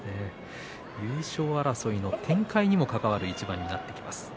優勝争いの展開にも関わる一番にもなってきます。